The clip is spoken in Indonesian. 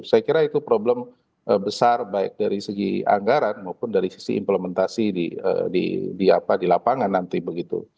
saya kira itu problem besar baik dari segi anggaran maupun dari sisi implementasi di lapangan nanti begitu